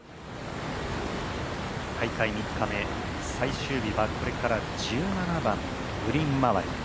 大会３日目、最終日はこれから１７番、グリーンまわり。